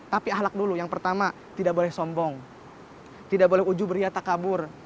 tapi ahlak dulu yang pertama tidak boleh sombong tidak boleh ujubriyata kabur